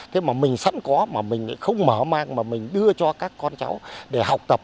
thế mà mình sẵn có mà mình lại không mở mang mà mình đưa cho các con cháu để học tập